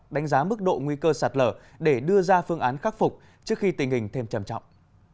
đánh giá mức độ nguy cơ sạt lở để đưa ra phương án khắc phục trước khi tình hình thêm trầm trọng